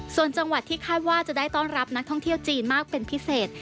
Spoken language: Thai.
ส่วนจังหวัดที่คาดว่าจะได้ต้อนรับนักท่องเที่ยวจีนมากเป็นพิเศษ